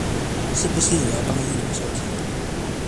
是不是也要幫議員收集